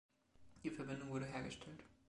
Die Verbindung wurde hergestellt.